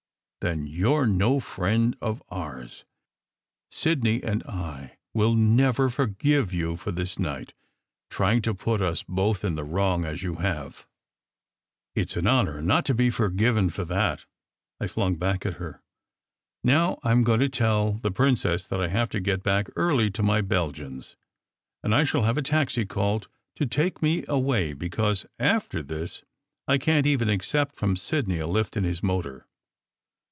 "Then you re no friend of ours! Sidney and I will never forgive you for this night trying to put us both in the wrong as you have!" "It s an honour not to be forgiven for that," I flung back at her. "Now I m going to tell the princess that I have to get back early to my Belgians, and I shall have a taxi called to take me away because, after this, I can t even accept from Sidney a lift in his motor."